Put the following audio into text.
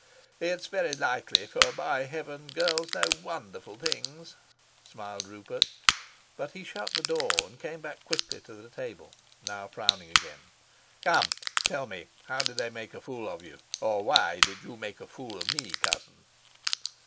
"It's very likely, for, by Heaven, girls know wonderful things!" smiled Rupert; but he shut the door and came quickly back to the table, now frowning again. "Come, tell me, how did they make a fool of you, or why did you make a fool of me, cousin?"